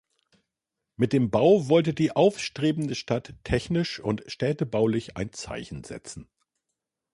Mit dem Bau wollte die aufstrebende Stadt technisch und städtebaulich ein Zeichen setzen.